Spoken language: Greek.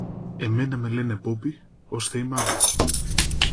Εμένα με λένε Μπόμπη, ώστε είμαι Άγγλος